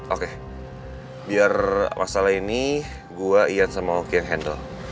oke biar masalah ini gua ian sama oki yang handle